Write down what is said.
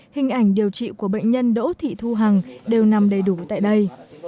hình ảnh điều trị của bệnh nhân đỗ thị thu hằng đều nằm đầy đủ tại đây